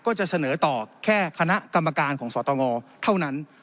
ก็จะเสนอต่อแค่คณะกรรมการของสตงเท่านั้น